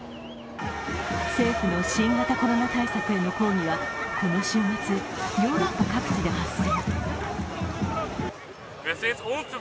政府の新型コロナ対策への抗議はこの週末、ヨーロッパ各地で発生。